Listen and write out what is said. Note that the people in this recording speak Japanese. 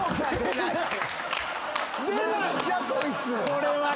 これは。